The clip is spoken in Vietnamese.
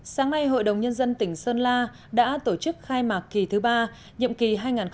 sáng nay hội đồng nhân dân tỉnh sơn la đã tổ chức khai mạc kỳ thứ ba nhiệm kỳ hai nghìn một mươi sáu hai nghìn hai mươi một